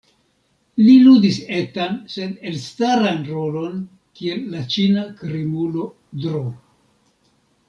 Li ludis etan sed elstaran rolon kiel la Ĉina krimulo Dro.